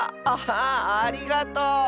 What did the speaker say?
ありがとう！